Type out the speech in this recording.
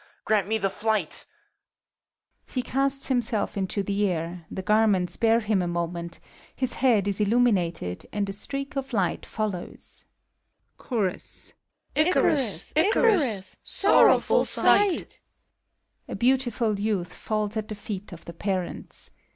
Grant me the flight ! [He casts himself into the air : the garments hear hiv a moment, his head is illuminated, and a streal light follows.^ 182 FAUST. CHORtrs. Icarus I Icarus ! Sorrowful sight 1 [A beautiful Youth falls at the feet of the parents.